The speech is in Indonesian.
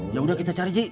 ya udah kita cari ji